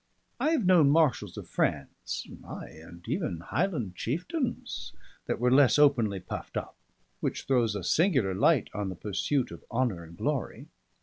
I have known marshals of France ay, and even Highland chieftains that were less openly puffed up; which throws a singular light on the pursuit of honour and glory.